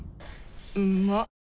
うんまっ。